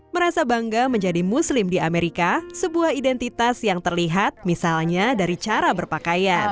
merasa bangga menjadi muslim di amerika sebuah identitas yang terlihat misalnya dari cara berpakaian